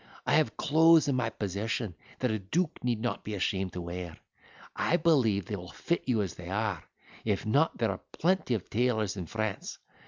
I have clothes in my possession that a duke need not be ashamed to wear. I believe they will fit you as they are, if not there are plenty of tailors in France.